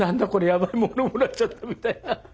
ヤバイものもらっちゃった」みたいな。